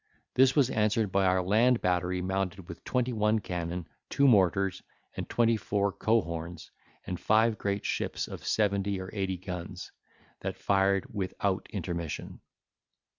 This was answered by our land battery mounted with twenty one cannon, two mortars, and twenty four cohorns, and five great ships of seventy or eighty guns, that fired without intermission.